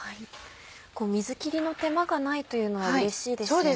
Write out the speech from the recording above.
水切りの手間がないというのはうれしいですね。